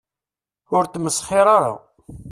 Ur tmesxir ara.